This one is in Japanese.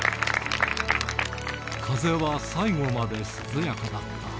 風は最後まで涼やかだった。